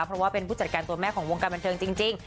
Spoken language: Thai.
เพราะว่าเป็นผู้จัดการตัวแม่ของวงการบันเทิงจริง